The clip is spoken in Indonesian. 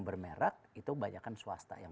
bermerak itu banyakkan swasta yang